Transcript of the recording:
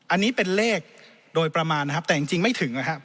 อันนี้เป็นเลขโดยประมาณนะครับแต่จริงไม่ถึงนะครับ